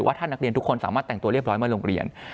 ถ้านักเรียนทุกคนสามารถแต่งตัวเรียบร้อยมาโรงเรียน